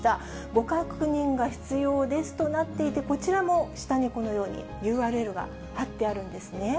ご確認が必要ですとなっていて、こちらも下にこのように、ＵＲＬが貼ってあるんですね。